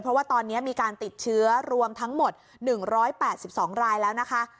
เพราะว่าตอนนี้มีการติดเชื้อรวมทั้งหมด๑๘๒รายแล้วนะคะ